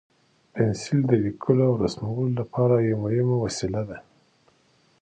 پنسل د لیکلو او رسمولو لپاره یو مهم وسیله ده.